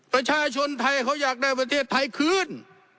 ประชาชนไทยเขาอยากได้ประเทศไทยคืน